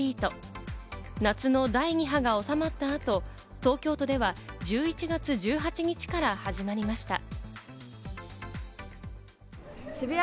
夏の第２波が収まった後、東京都では１１月１８日から始まりました。